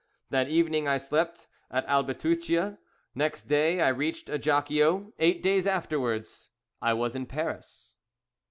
That evening I slept at Albitucia, next day I reached Ajaccio. Eight days afterwards I was in Paris.